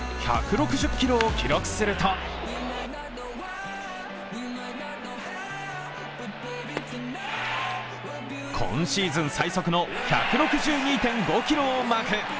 １６０キロを記録すると今シーズン最速の１６２．５キロをマーク。